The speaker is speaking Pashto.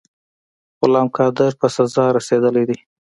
غلام قادر په سزا رسېدلی دی.